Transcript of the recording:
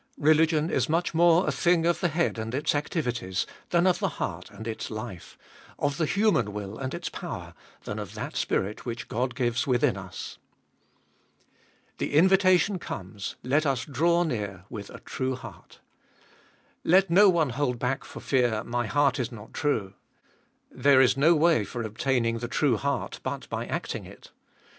Religion is much more a thing of the head and its activities, than of the heart and its life, of the human will and its power, than of that Spirit which God gives within us. The invitation comes : Let us draw near with a true heart. Let no one hold back for fear, my heart is not true. There is no way for obtaining the true heart, but by acting it.